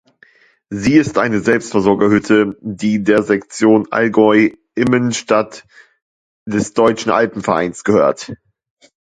Sie ist eine Selbstversorger-Hütte, die der Sektion Allgäu Immenstadt des Deutschen Alpenvereins gehört.